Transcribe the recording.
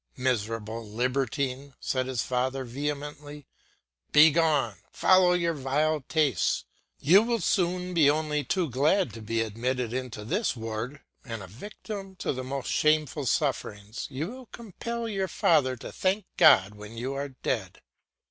"Miserable libertine," said his father vehemently, "begone; follow your vile tastes; you will soon be only too glad to be admitted to this ward, and a victim to the most shameful sufferings, you will compel your father to thank God when you are dead."